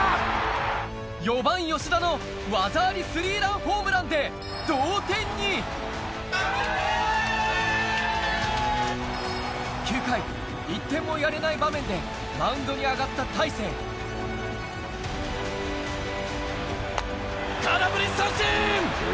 ４番吉田の技ありスリーランホームランで同点に９回１点もやれない場面でマウンドに上がった大勢空振り三振！